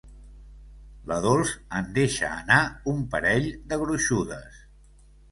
La Dols en deixa anar un parell de gruixudes.